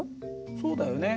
そうだよね。